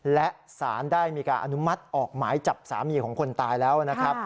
และสารได้มีการอนุมัติออกหมายจับสามีของคนตายแล้วนะครับ